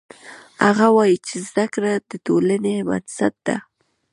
هغه وایي چې زده کړه د ټولنې بنسټ ده